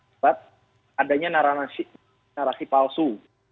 sebab adanya narasi palsu